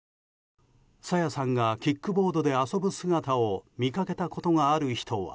朝芽さんがキックボードで遊ぶ姿を見かけたことがある人は。